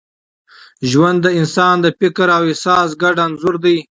ژوند د انسان د فکر او احساس ګډ انځور دی.